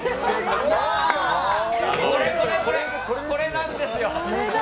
これこれこれ、これなんですよ。